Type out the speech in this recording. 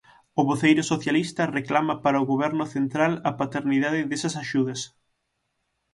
O voceiro socialista reclama para o Goberno central a paternidade desas axudas.